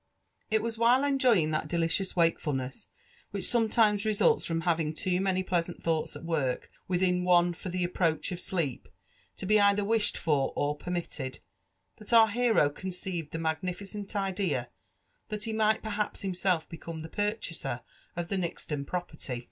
It was while enjoying that delicious wakefulness which sometimea results from having too many pleasant thoughts at work within one for the approach of sleep to be either wished for or permitted, that our hero conceived the magnificent idea that he might perhaps himself become the purchaser of the Nixton property.